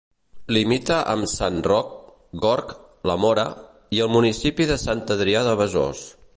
Limita amb Sant Roc, Gorg, La Mora i el municipi de Sant Adrià de Besòs.